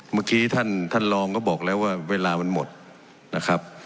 เมื่อกี้ท่านท่านรองก็บอกแล้วว่าเวลามันหมดนะครับ